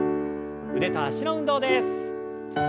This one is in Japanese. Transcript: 腕と脚の運動です。